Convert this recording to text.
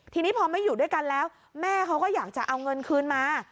ทีนี้พอไม่อยู่ด้วยกันแล้วแม่เขาก็อยากจะเอาเงินคืนมา